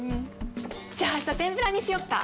じゃあ明日天ぷらにしよっか。